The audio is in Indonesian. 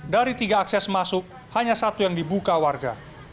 dari tiga akses masuk hanya satu yang dibuka warga